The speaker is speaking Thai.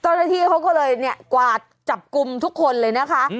ตอนนี้ที่เขาก็เลยเนี่ยกวาดจับกุมทุกคนเลยนะคะ